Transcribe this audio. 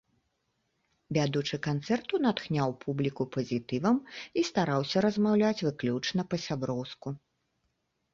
Вядучы канцэрту натхняў публіку пазітывам і стараўся размаўляць выключна па-сяброўску.